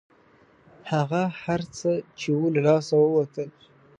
هغه هر څه چې وو له لاسه ووتل.